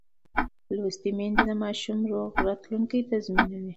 لوستې میندې د ماشوم روغ راتلونکی تضمینوي.